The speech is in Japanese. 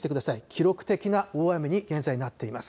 記録的な大雨に現在、なっています。